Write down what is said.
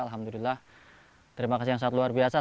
alhamdulillah terima kasih yang sangat luar biasa